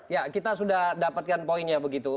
ya kita sudah dapatkan poinnya begitu